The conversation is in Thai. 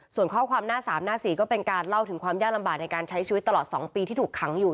ส่วนข้อความหน้า๓หน้า๔ก็เป็นการเล่าถึงความยากลำบากในการใช้ชีวิตตลอด๒ปีที่ถูกขังอยู่